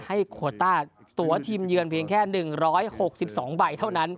โควต้าตัวทีมเยือนเพียงแค่๑๖๒ใบเท่านั้น